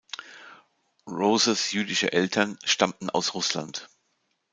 Roses jüdische Eltern stammten aus Russland.